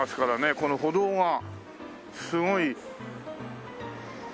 この歩道がすごい。